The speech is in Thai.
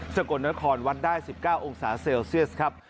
กลนครวัดได้๑๙องศาเซลเซียสครับ